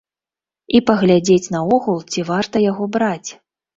І паглядзець наогул, ці варта яго браць.